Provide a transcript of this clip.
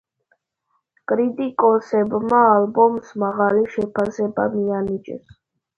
კრიტიკოსებმა ალბომს მაღალი შეფასება მიანიჭეს.